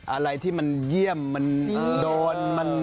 อะไรที่มันเยี่ยมมันโดน